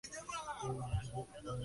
机房的立面值得格外注意。